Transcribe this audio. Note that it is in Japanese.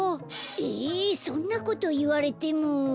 えそんなこといわれても。